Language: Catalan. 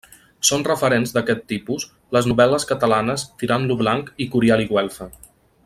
Són referents d'aquest tipus, les novel·les catalanes Tirant lo Blanc i Curial e Güelfa.